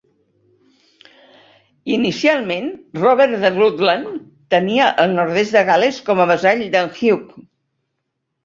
Inicialment Robert de Rhuddlan tenia el nord-est de Gales com a vassall de"n Hugh.